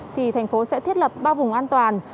thì thành phố sẽ thiết lập ba vùng an toàn